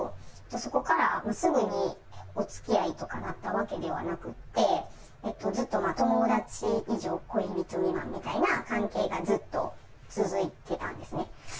そこからすぐに、おつきあいとかになったわけではなくって、ずっと友達以上恋人未満みたいな関係がずっと続いてたんですね。